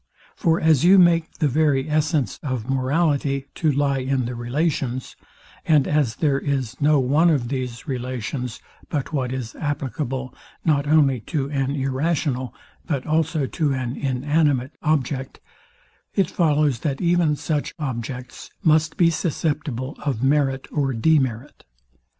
For as you make the very essence of morality to lie in the relations, and as there is no one of these relations but what is applicable, not only to an irrational, but also to an inanimate object; it follows, that even such objects must be susceptible of merit or demerit.